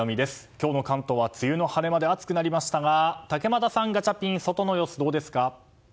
今日の関東は梅雨の晴れ間で暑くなりましたが竹俣さん、ガチャピン外の様子、どうですか？